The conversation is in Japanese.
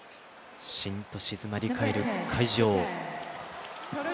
シンと静まり返る会場。